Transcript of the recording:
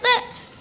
sebelah mana dam